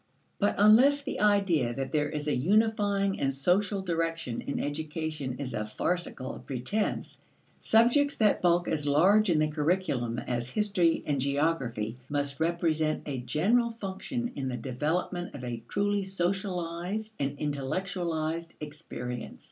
But unless the idea that there is a unifying and social direction in education is a farcical pretense, subjects that bulk as large in the curriculum as history and geography, must represent a general function in the development of a truly socialized and intellectualized experience.